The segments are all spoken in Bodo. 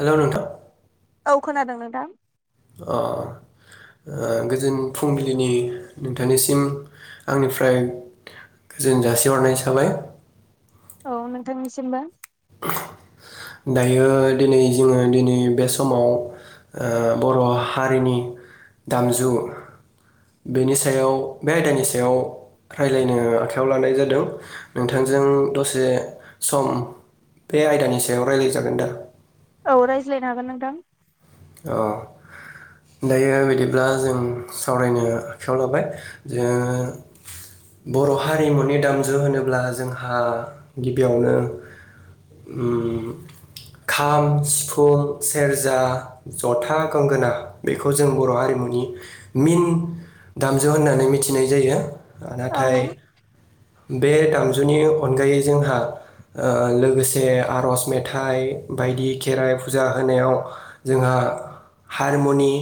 हेलौ नोंथां औ खोनादों नोंथां अ ओ गोजोन फुंबिलिनि नोंथांनिसिम आंनिफ्राय गोजोन जासिहरनाय थाबाय औ नोंथांनिसिमबो दायो दिनै जोङो दिनै बे समाव ओ बर' हारिनि दामजु बेनि सायाव बे आयदानि सायाव राय्लायनो आखायाव लानाय जादों नोंथांजों दसे सम बे आयदानि सायाव रायजलायजागोन दा औ रायज्लायनो हागोन नोंथां अह दायो बिदिब्ला जों सावरायनो आखायाव लाबाय जे बर' हारिमुनि दामजु होनोब्ला जोंहा गिबियावनो ओम खाम, सिफुं, सेरजा जथा, गंगोना बेखौ जों बर' हारिमुनि मिन दामजु होननानै मिथिनाय जायो औ ओनाथाइ बे दामजुनि अनगायै जोंहा ओ लोगोसे आर'ज मेथाइ बायदि खेराइ फुजा होनायाव जोंहा हारमुनि,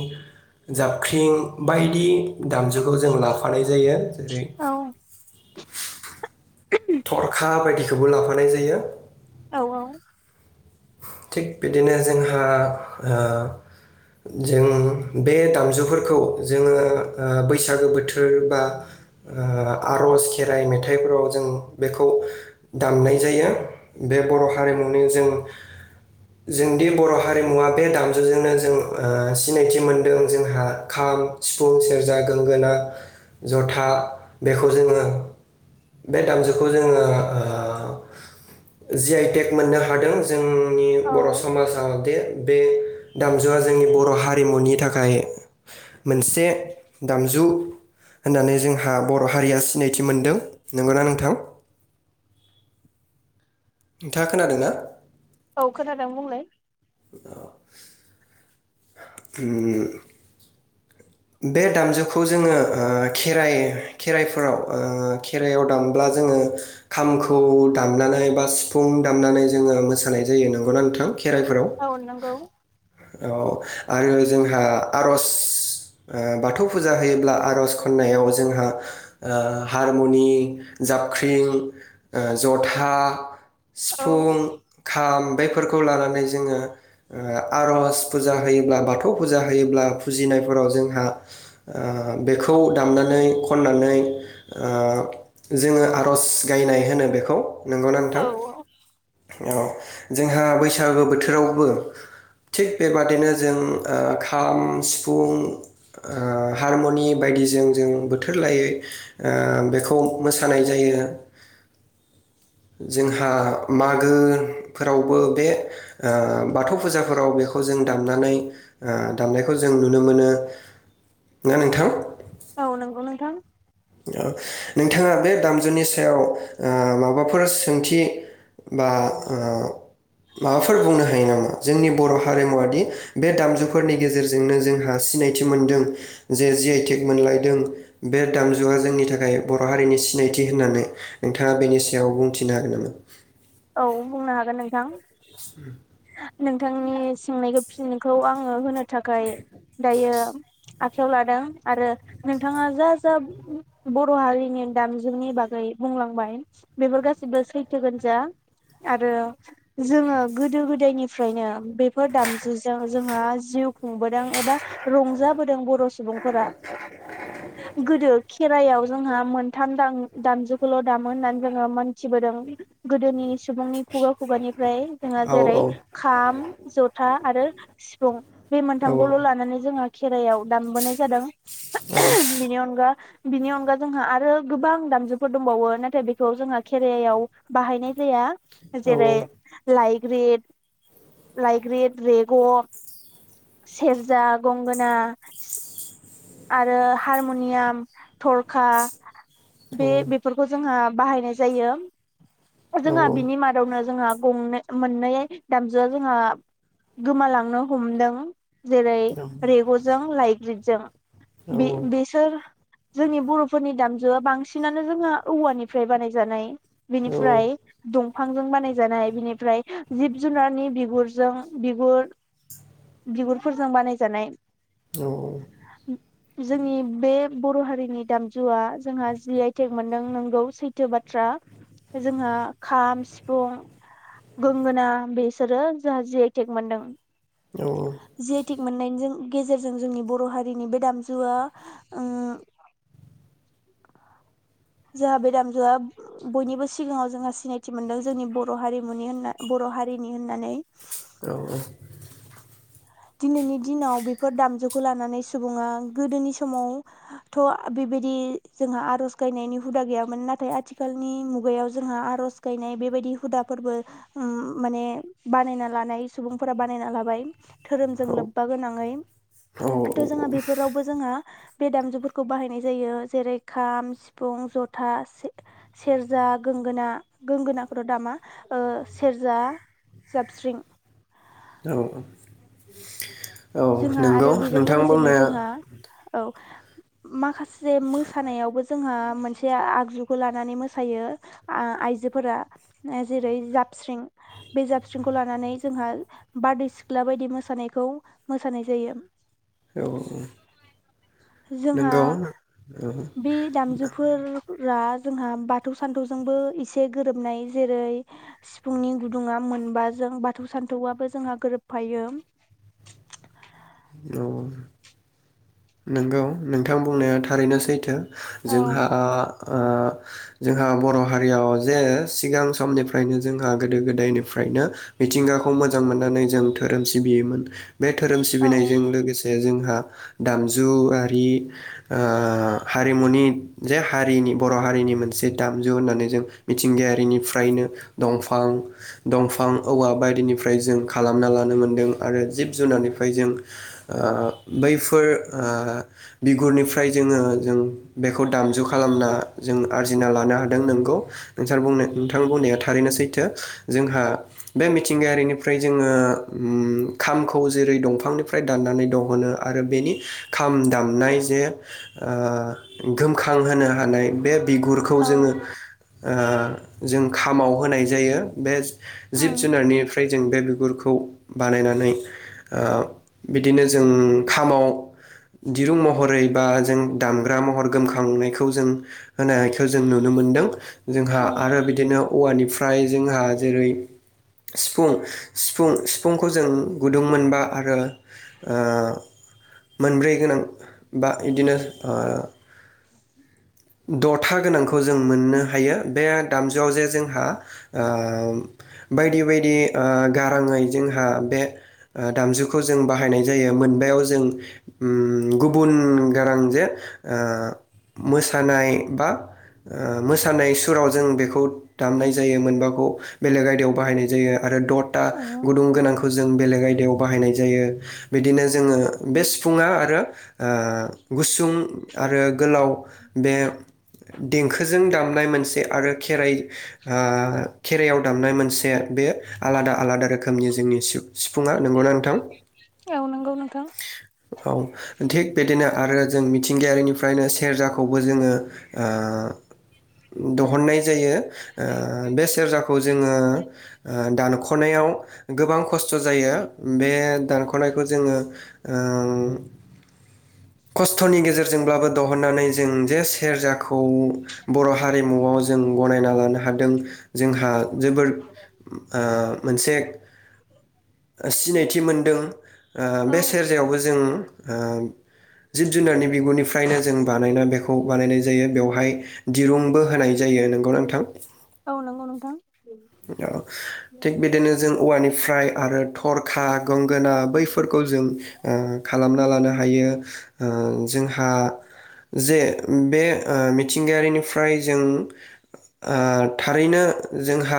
जाबख्रिं बायदि दामजुखौ जों लाफानाय जायो जेरै औ थरखा बायदिखौबो लाफानाय जायो औ औ थिग बिदिनो जोंहा ओ जों बे दामजुफोरखौ जोङो ओ बैसागो बोथोर बा ओ आर'ज खेराइ मेथाइफोराव जों बेखौ दामनाय जायो बे बर' हारिमुनो जों जोंदि बर' हारिमुवा बे दामजुजोंनो जों ओ सिनायथि मोनदों जोंहा खाम, सिफुं, सेरजा, गोंगोना, जथा बेखौ जोङो बे दामजुखौ जोङो ओ जि आइटेक मोननो हादों जों जोंनि औ बर' समाज जे बे दामजु जुवा जोंनि बर' हारिमुनि थाखाय मोनसे दामजु होननानै जोंहा बर' हारिया सिनायथि मोनदों नंगौना नोंथां नोंथाङा खोनादों ना औ खोनथादों बुंलाय दा ओम बे दामजुखौ जोङो ओ खेराइ खेराइफोराव ओ खेराइआव दामब्ला जोङो खामखौ दामनानै बा सिफुं दामनानै जोङो मोसानाय जायो नंगौना नोंथां खेराइफोराव औ नंगौ औ आरो जोंहा आरज बाथौ फुजा होयोब्ला आर'ज खन्नायाव जोंहा हारमुनि जाबख्रिं जथा औ सिफुं खाम बेफोरखौ लानानै दा ओ बेखौ दामनानै खननानै ओ जोङो आर'ज गायनाय होनो बेखौ नंगौना औ नोंथां औ जोंहा बैसागो बोथोरावबो थिग बेबादिनो जों खाम सिफुं हारमनि बायदिजों जों बोथोर लायै बेखौ मोसानाय जायो जोंहा मागोफोरावबो बे बाथौ फुजाफोराव बेखौ जों दामनानै दामनायखौ जों नुनो मोनो ना नोंथां औ नोंगौ नोंथां नोंथाङा बे दामजुनि सायाव माबाफोर सोंथि बा माबाफोर बुंनो हायो नामा जोंनि बर' हारिमुवादि बे दामजुफोरनि गेजेरजोंनो जोंहा सिनायथि मोनदों जे जि आइटेक मोनलायदों बे दाम गो जुआ जोंनि थाखाय बर' हारिनि सिनायथि होननानै नोंथाङा बेनि सायाव बुंथिनो हागोन नामा औ बुंनो हागोन नोंथां [unintelligible] नोंथांनि सोंनायखौ फिनायखौ आंङो होनो थाखाय दायो आखायाव लादों आरो नोंथाङा जा जा बर हारिनि दामजुनि बागै बुंलांबाय बेफोर गासिबो सैथोगोन जा आरो जोंङो गोदो गोदायनिफ्रायनो बेफोर दामजुजों जोंहा जिउ खुंबोदों एबा रंजाबोदों बर' सुबुंफोरा गोदो खेराइायाव जोंहा मोनथाम दामजुखौल दामो होननानै जोंङो मोनथिबोदों गोदोनि सुबुंनि खुगा खुगानिफ्राय जोंहा औ जेरै औ खाम जथा आरो सिफुं बे औ मोनथामखौल'लानानै जोंहा खेराइायाव दामबोनाय जादों बिनि अनगा बिनि अनगा जोंहा आरो गोबां दामजुफोर दंबावो नाथाय बेखौ जोंहा केेरायाव बाहायनाय जाया औ जेरेरै लाइक ग्रेद लाइग्रिद रेग' सेरजा गंगोना आरो हारमनियाम थरखा बे बेफोरखौ जोंहा बाहायनाय जायो औ जोंहा औ बिनि मादावनो जोंहा गंनै मोननै दामजुआ जोंहा गोमालांनो हमदों जेरै रेगजों लायग्रि जों बे बेसोर जोंनि बर'फोरनि दामजुआ बांसिनानो जोंहा औवानिफ्राय बानायजानाय बेनिफ्राय दं फांजों बानायजानाय बिनिफ्राय जिब जुनारनि बिगुरजों बिगुर बिगुरफोरजों बानायजानाय औ-औ। जोंनि बे बर' हारिनि दामजुआ जोंहा जि आइ टेक मोनदों नंगौ सैथो बाथ्रा जोंहा खाम -सिफुं गंगोना बिसोरो जोंहा जि आइ टेक मोनदों। जि आइ टेक मोननायनि जों गेजेरजों जोंनि बर' हारिनि बे दाम जुआ ओ जोंहा बे दामजुआ बयनिबो सिगाङाव जोंहा सिनायथि मोनदों जोंनि बर' हारिमुनि होनना बर' हारिनि होननानै। दिनैनि दिनाव बेफोर दामजुखौ लानानै सुबुङा गोदोनि समावथ' बेबायदि जोंहा आर'ज गायनायनि हुदा गैयामोन नाथाय आथिखालनि मुगायाव जोंहा आर'ज गायनाय बेबायदि हुदाफोरबो अम माने बानायना लानाय सुबुंफोरा बानायना लाबाय। धोरोमजों लोब्बा गोनाङै थ' जोंहा बेफोरावबो जोंहा बे दामजुफोरखौ बाहायनाय जायो जेरै खाम सिफुं जथा से - सेरजा, गोंगोना गोंगोनाखौथ' दामा ओ सेरजा जाबस्रिं औ औ औ जोंहा नंगौ आरो बेजों नोंथां लोगोसेनो बुंनाया जोंहा औ माखासे जे मोसानायावबो जोंहा मोनसे आगजुखौ लानानै मोसायो आ-आइजोफोरा जेरै जाबस्रिं बे जाबस्रिंखौ लानानै जोंहा बारदै सिख्ला बायदि मोसायो मोसानायखौ मोसानाय जायो औ औ औ जोंहा नंगौ औ ओं रा जोंहा बाथौ सान्थौ जोंबो एसे गोरोबनाय जेरै सिफुंनि गुदुङा मोनब जों बाथौ सान्थौआबो जोंहा गोरोबफायो। औ औ नंगौ नोंथां बुंनाया थारैनो सैथो। जोंहा औ आ ओ जोंहा बर' हारियाव जे सिगां समनिफ्रायनो जोंहा गोदो- गोदायनिफ्रायनो मिथिंगाखौ मोजां मोननानै जों धोरोम सिबियोमोन बे धोरोम औ सिबिनायजों लोगोसे जों हा दामजु आरि ओ हारिमुनि जे हारिनि बर' हारिनि मोनसे दामजु होननानै जों मिथिंगायारिनिफ्रायनो दंफां दंफां औवा बायदिनिफ्राय जों खालामना लानो मोनदों आरो जिब जुनारनिफ्राय जों ओ बै फोर ओ बिगुरनिफ्राय जोङो जों बेखौ दामजु खालामना जों आरजिना लानो हादों नोंगौ नोंथां- नोंथां बुंनाया थारैनो सैथो जोंहा बे मिथिंगायारिनिफ्राय जोङो ओम खामखौ जेरै दंफांनिफ्राय दाननानै दंहनो आरो बेनि खाम दामनाय जे ओ गोमखां होनो हानाय बे बिगुरखौ औ जोङो ओ जों खामाव होनाय जायो बे जिब ओम जुनारनिफ्राय जों बे बिगुर खौ बानायनानै ओ बिदिनो जों खामाव दिरुं महरै बा जों दामग्रा महर गोमखांनायखौ जों होनायखौ जों नुनो मोनदों जोंहा औ आरो बिदिनो औवानिप्राय फ्राय जोंहा जेरै सिफुं -सिफुं सिफुंखौ जों गुदुं मोनबा आरो ओ मोनब्रै गोनां बा इदिनो दथा गोनांखौ जों मोननो हायो बे दामजुआव जे जोंहा ओ बायदि बायदि ओ गां रांङै जोंहा बे दामजुखौ जों बाहायनाय जायो मोनबायाव जों ओम गुबुन गारां जे मो मोसानाय बा मोसानाय सुराव जों बेखौ दामनाय जायो मोनबाखौ बेलेग आयदायाव बाहायनाय जायो। आरो दथा औ गुदुं गोनांखौ जों बेलेग आयदायाव बाहायनाय जायो बिदिनो जोंङो बे सिफुुंआ आरो ओ गुसुं आरो गोलाव बे देंखोजों दामनाय मोनसे आरो खेराइ ओ खेराइयाव दामनाय मोनसे बे आलादा आलादा रोखोमनि जोंनि सि सिफुंङा नंगौ ना नोंथां? औ नंगौ नोंथां औ थिग बिदिनो आरो जों मिथिंगायारिनिफ्रायनो सेरजाखौ खौबो जोंङो दहननाय जायो ओ बे सेरजाखौ जोंङो ओ दानख'नायाव गोबां खस्थ' जायो बे दानख'नायखौ जोंङो ओं खस्थ'नि गेजेरजोंब्लाबो दहननानै जों जे सेरजाखौ बर' हारिमुआव जों गनायना लानो हादों। जोंहा जोबोद मोनसे सिनायथि मोनदों औ बे सेरजायावबो जों ओम जिब जुनारनि बिगुरनिफ्रायनो जों बानायना बेखौ बानायनाय जायो बेवहाय दिरुंबो होनाय जायो नोंगौ नोंथां। औ नंगौ नोंथां थिग बिदिनो जों औवानिफ्राय आरो थरखा गंगोना बैफोरखौ जों ओ खालामना लानो हा हायो ओ जोंहा जे बे मिथिंगायारिनिफ्राय जों ओ थारैनो जोंहा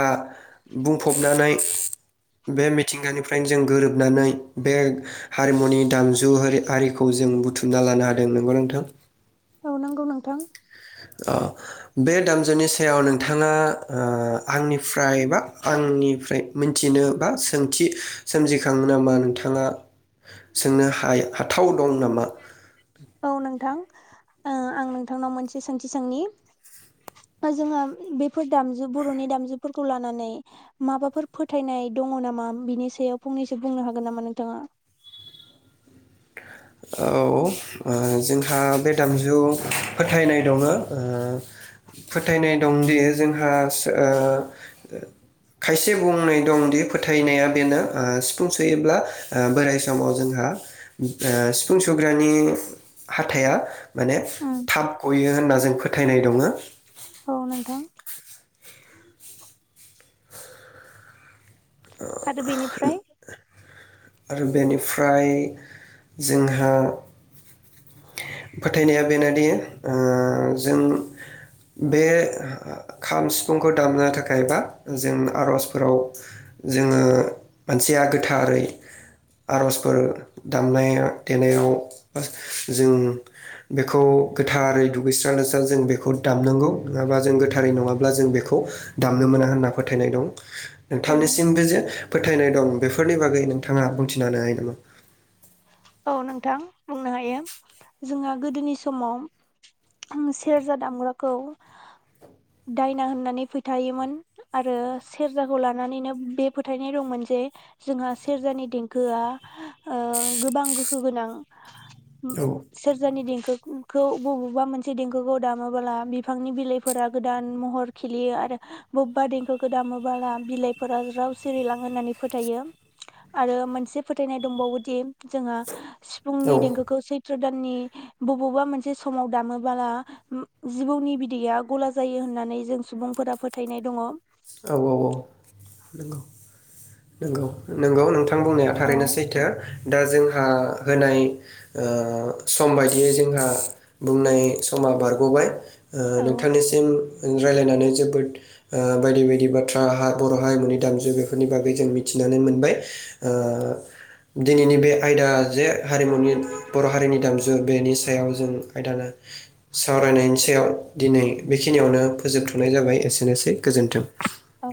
बुंफबनानै बे मिथिंगानिफ्रायनो जों गोरोबनानै बे हारिमुनि दामजु हार आरिखौ जों बुथुमना लानो हादों नंगौ नोंथां। औ नांगौ नोंथां औ बे दामजुनि सायाव नों बिथांङा ओ आंनिफ्राय बा आंनिफ्राय मिथिनो बा सोंथि सोमजिखांनो होमबा मा नोंथाङा सोंनो हाया हाथाव दं नामा? औ नोंथां आं नोंथांनाव मोनसे सानथि सांनि, जोहा बेफोर दामजु बर'नि दामजुफोरखौ लानानै माबाफोर फोथायनाय दंङ नामा? बिनि सायाव फंनैसो बुंनो हागोन नामा नोंथाङा? औ जोंहा बे दामजु फोथायनाय दंङ फोथायनाय दंदि जोंहा खायसे बुंनाय दंदि फोथायनाया बेनो सिफुं सोयोब्ला बोराय समाव जोंहा ओ सिफुं सुग्रानि हाथाइया माने उम थाब गयो होनना जों फोथायनाय दङो। औ नोंथां आरो बेनिफ्राय? आरो बेनिफ्राय जोंहा फोथायनाया बेनोदि ओ जों बे खाम सिफुंखौ दामनो थाखाय बा जों आर'जफोराव जोङो मानसिया गोथारै आर'जफोर दामनाया देनायाव जों बेखौ गोथारै दुगैस्रां लोबस्रां जों बेखौ दामनांगौ नोङाबा जों गोथारै नङाब्ला जों बेखौ दामनो मोना होनना फोथायनाय दं औ नोंथांनिसिमबो जे फोथायनाय दं बेफोरनि बागै नोंथाङा बुंथिना होनो हायो नामा? औ नोंथां बुंनो हायो जोंहा गोदोनि समाव सेरजा दामग्राखौ दायना होननानै फोथायोमोन आरो सेरजाखौ लानानैनो बे फोथायनाय दंमोन जे जोंहा सेरजानि देंखोआ ओ गोबां गोहो गोनां। हुम औ सेरजानि देंखो उम खौ बबेबा मोनसे देंखोखौ दामोबोला बिफांनि बिलाइफोरा गोदान महर खिलियो आरो बबेबा देंखोखौ दामोबोला बिलाइफोरा ज्राव सिरिलां होननानै फोथायो आरो मोनसे फोथायनाय दंबावोदि जोङा औ सिफुंनि देंखोखौ सैथ त्र दाननि बबावबा मोनसे समाव दामबोला जिबौनि बिदैया गला जायो होननानै जों सुबुंफोरा फोथायनाय दङ। औ औ औ नंगौ नंगौ नंगौ नोंथां। थां बुंनाया थारैनो सैथो। दा जोंहा होनाय ओ सम बायदियै जोंहा बुंनाय समा बारग'बाय ओ औ नोंथांनिसिम रायलायनानै जोबोद ओ बायदि बायदि बाथ्रा आ हा बर' हारिमुनि दामजु बेफोरनि बागै जों मिथिनानै मोनबाय, ओ दिनैनि बे आयदा जे हारिमुनि बर' हारिनि दामजु बेनि सायाव जों आयदा सावरायनायनि सायाव दिनै बेखिनियावनो फोजोबथ'नाय जाबाय एसेनोसै। गोजोन्थों। औ